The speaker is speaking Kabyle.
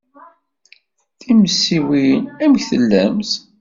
Timensiwin, amek tellamt?